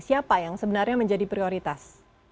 siapa yang sebenarnya menjadi prioritas